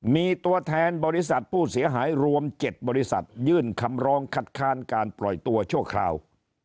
มีตัวแทนบริษัทผู้เสียหายรวม๗บริษัทยื่นคำร้องคัดค้านการปล่อยตัวชั่วคราว